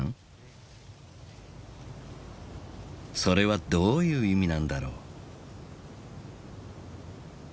それはどういう意味なんだろう？